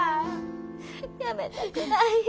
やめたくないよ。